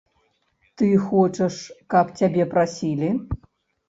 Ты хочаш, каб цябе прасілі?